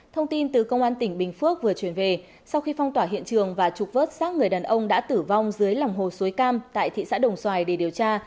thông tin từ công an tỉnh bình phước vừa chuyển về sau khi phong tỏa hiện trường và trục vớt xác người đàn ông đã tử vong dưới lòng hồ suối cam tại thị xã đồng xoài để điều tra